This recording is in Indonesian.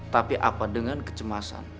tapi apa dengan kecemasan